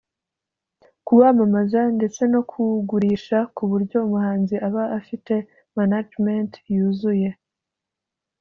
kuwamamaza ndetse no kuwugurisha kuburyo umuhanzi aba afite managment yuzuye